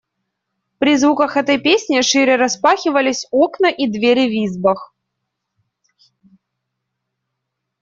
При звуках этой песни шире распахивались окна и двери в избах.